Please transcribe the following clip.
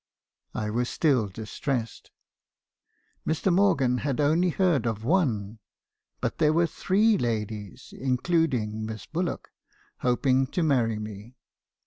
"I was still distressed. Mr. Morgan had only heard of one, but there were three ladies (including Miss Bullock) hoping to marry me.